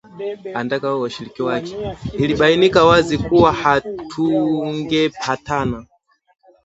Ilibainika wazi kuwa hatungepatana